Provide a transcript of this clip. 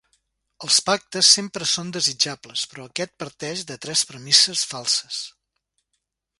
Els pactes sempre són desitjables, però aquest parteix de tres premisses falses.